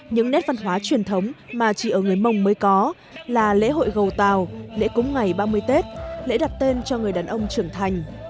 những nét văn hóa truyền thống mà chỉ ở người mông mới có là lễ hội gầu tàu lễ cúng ngày ba mươi tết lễ đặt tên cho người đàn ông trưởng thành